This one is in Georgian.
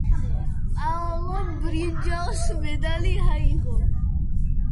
პაოლომ ბრინჯაოს მედალი აიღო.